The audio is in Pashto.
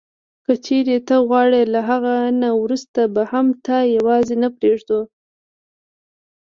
که چیري ته غواړې له هغه نه وروسته به هم تا یوازي نه پرېږدو.